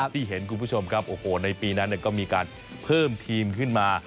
ที่เห็นคุณผู้ชมครับโอ้โหในปีนั้นก็มีการเพิ่มทีมขึ้นมา